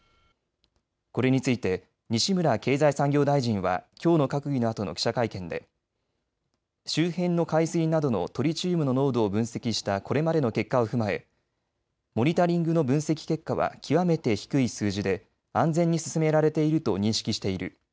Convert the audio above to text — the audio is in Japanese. これについて西村経済産業大臣はきょうの閣議のあとの記者会見で周辺の海水などのトリチウムの濃度を分析したこれまでの結果を踏まえモニタリングの分析結果は極めて低い数字で安全に進められていると認識している。